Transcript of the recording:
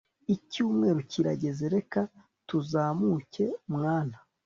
icyumweru kirageze reka tuzunguruke mwana